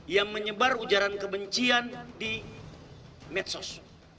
yang menyebar ujaran kebencian di medsos